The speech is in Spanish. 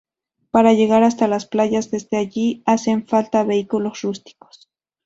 Para llegar hasta las playas desde allí, hacen falta vehículos rústicos.